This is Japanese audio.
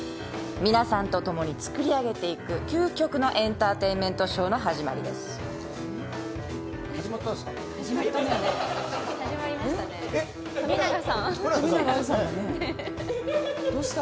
皆さんとともに作り上げていく究極のエンターテインメント始まったんですか。